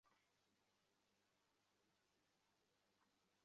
নির্জারার সাথে, আমি গতকাল তার সাথে এই বিষয়টা কথা বলেছি।